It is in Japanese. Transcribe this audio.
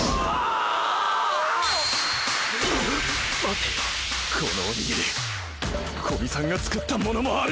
園田：このおにぎり古見さんが作ったものもある！？